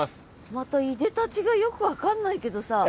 またいでたちがよく分かんないけどさ。